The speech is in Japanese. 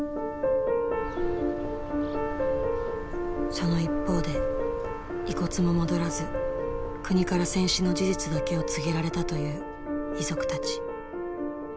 その一方で遺骨も戻らず国から戦死の事実だけを告げられたという遺族たち。